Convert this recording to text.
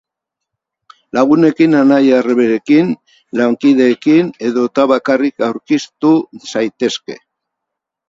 Lagunekin, anai-arrebekin, lankideekin edota bakarrik aurkeztu zaitezke.